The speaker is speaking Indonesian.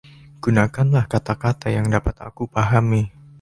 Gunakanlah kata-kata yang dapat aku pahami.